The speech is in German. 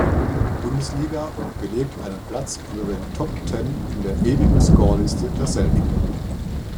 Bundesliga und belegt einen Platz unter den „Top Ten“ in der „Ewigen Scorerliste“ derselbigen.